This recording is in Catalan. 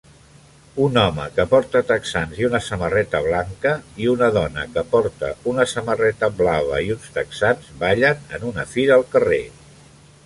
Un home que porta texans i una samarreta blanca i una dona que porta una samarreta blava i uns texans ballen en una fira al carrer